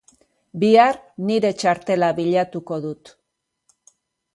Bihar nire txartela bilatuko dut.